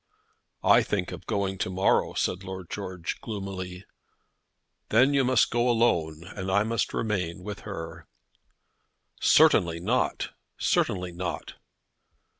"I think of going to morrow," said Lord George, gloomily. "Then you must go alone, and I must remain with her." "Certainly not; certainly not."